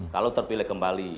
kalau terpilih kembali